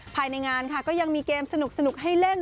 ภายในงานค่ะก็ยังมีเกมสนุกให้เล่น